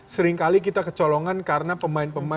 seringkali kita kecolongan karena kita tidak bisa menang